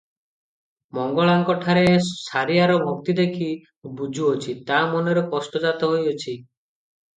ମଙ୍ଗଳାଙ୍କଠାରେ ସାରିଆର ଭକ୍ତି ଦେଖି ବୁଝୁଅଛି, ତାହା ମନରେ କଷ୍ଟ ଜାତ ହୋଇଅଛି ।